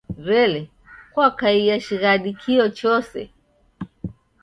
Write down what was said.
W'ele, kwakaia shighadinyi kio chose?